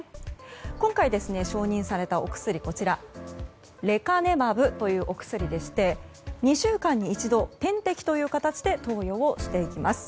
今回、承認されたお薬レカネマブというお薬でして２週間に一度、点滴という形で投与をしていきます。